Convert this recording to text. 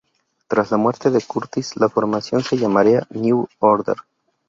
Tras la muerte de Curtis la formación se llamaría New Order.